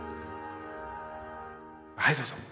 はいどうぞ。